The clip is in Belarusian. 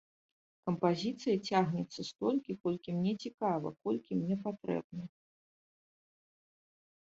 Кампазіцыя цягнецца столькі, колькі мне цікава, колькі мне патрэбна.